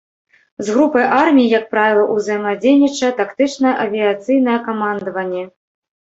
З групай армій, як правіла, узаемадзейнічае тактычнае авіяцыйнае камандаванне.